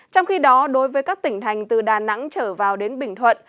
trong khi đó đối với các tỉnh thành từ đà nẵng trở vào đến bình thuận